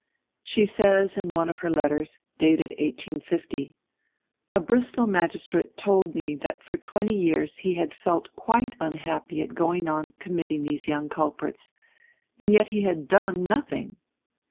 She says, in one of her letters, dated 1850: "A Bristol magistrate told me that for twenty years he had felt quite unhappy at going on committing these young culprits. And yet he had done nothing!"